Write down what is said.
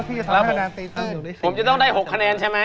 ผมจะต้องได้๖คะแนนใช่มั้ย